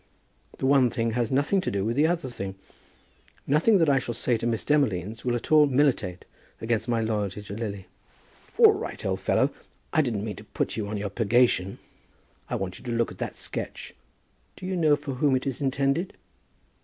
The one thing has nothing to do with the other thing. Nothing that I shall say to Miss Demolines will at all militate against my loyalty to Lily." "All right, old fellow; I didn't mean to put you on your purgation. I want you to look at that sketch. Do you know for whom it is intended?"